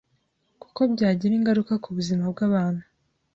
kuko byagira ingaruka ku buzima bw’abantu.